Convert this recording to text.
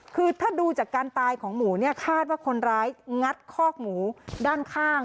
คือถ้าดูจากการตายของหมูเนี่ยคาดว่าคนร้ายงัดคอกหมูด้านข้าง